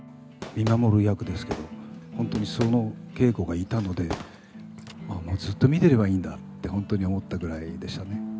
見守る役ですけど、本当にそのケイコがいたので、ずっと見てればいいんだって、本当に思ったぐらいでしたね。